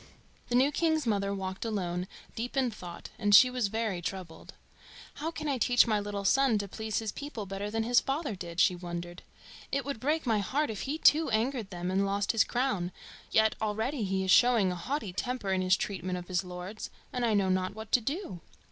The new king's mother walked alone, deep in thought; and she was very troubled. "How can I teach my little son to please his people better than his father did?" she wondered. "It would break my heart if he too angered them and lost his crown, yet already he is showing a haughty temper in his treatment of his lords, and I know not what to do."